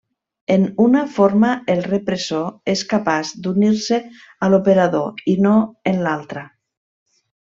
En una forma el repressor és capaç d'unir-se a l'operador i no en l'altra.